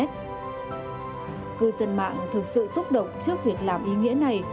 cư dân mạng thực sự xúc động trước việc làm ý nghĩa này